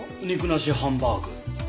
肉なしハンバーグ。